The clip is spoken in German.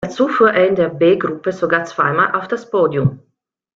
Dazu fuhr er in der B-Gruppe sogar zweimal auf das Podium.